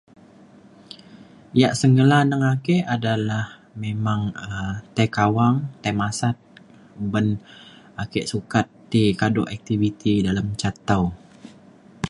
Ya' sengela ngan ake adalah memang um tai kawang tai masat uban ake sukat ti kadu' activity ngan ce taw